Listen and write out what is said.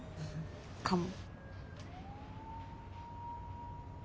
かも。